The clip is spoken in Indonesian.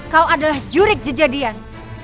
kau adalah jurik kejadian